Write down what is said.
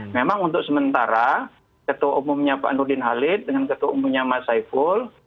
memang untuk sementara ketua umumnya pak nurdin halid dengan ketua umumnya mas saiful